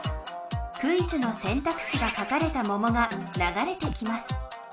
クイズのせんたくしが書かれたももがながれてきます。